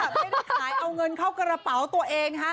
ไม่ได้ขายเอาเงินเข้ากระเป๋าตัวเอง